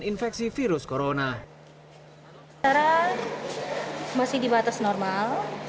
dan mencegah terangkul dengan dua orang